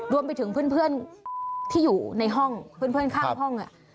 รวมไปถึงเพื่อนที่อยู่ในห้องเพื่อนข้างห้อง